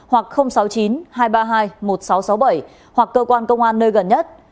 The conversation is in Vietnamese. hoặc sáu mươi chín hai trăm ba mươi hai một nghìn sáu trăm sáu mươi bảy hoặc cơ quan công an nơi gần nhất